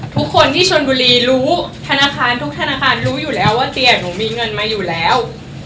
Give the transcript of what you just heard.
ทุกคนที่ชนบุรีรู้ธนาคารทุกธนาคารรู้อยู่แล้วว่าเตียงหนูมีเงินมาอยู่แล้ว